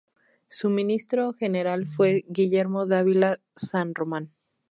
Su ministro general fue Guillermo Dávila San Román.